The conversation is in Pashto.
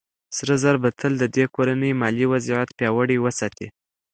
سره زر به تل د دې کورنۍ مالي وضعيت پياوړی وساتي.